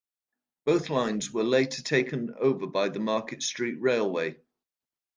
Both lines were later taken over by the Market Street Railway.